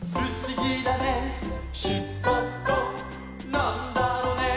「なんだろね」